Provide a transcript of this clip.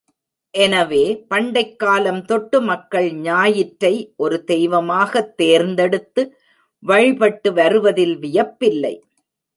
எனவே, பண்டைக்காலம் தொட்டு மக்கள் ஞாயிற்றை ஒரு தெய்வமாகத் தேர்ந்தெடுத்து வழிபட்டு வருவதில் வியப்பில்லை.